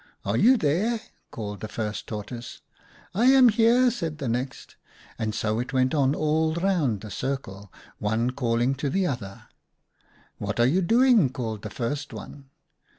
"' Are you there ?' called the first Tortoise. "' I am here,' said the next, and so it went on all round the circle, one calling to the other. "'What are you doing?' called the first one.